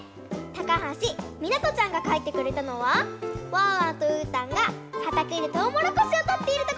たかはしみなとちゃんがかいてくれたのはワンワンとうーたんがはたけでとうもろこしをとっているところです。